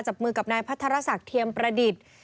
จับมือกับนายพัทรศักดิ์เทียมประดิษฐ์